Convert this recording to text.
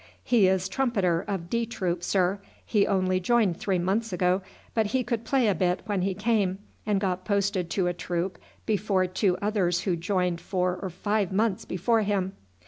"He is trumpeter of D troop, sir. He only joined three months ago, but he could play a bit when he came, and got posted to a troop before two others who joined four or five months before him."